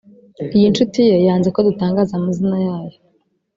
Iyi nshuti ye yanze ko dutangaza amazina yayo